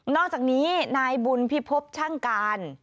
อกจากนี้นายบุญพิพบช่างการ